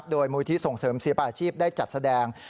โดยมูลที่ส่งเสริมศิลปาชีพได้จัดแสดง